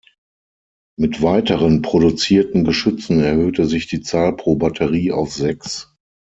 Mit weiteren produzierten Geschützen erhöhte sich die Zahl pro Batterie auf sechs.